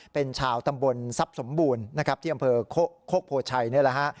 เป็นชาวตำบลทรัพย์สมบูรณ์นะครับที่อำเภอโคกโพชัยนี่แหละฮะ